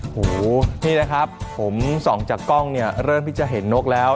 หูนี่นะครับผมส่องจากกล้องเนี่ยเริ่มที่จะเห็นนกแล้ว